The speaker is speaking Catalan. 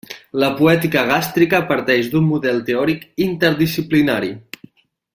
La poètica gàstrica parteix d'un model teòric interdisciplinari.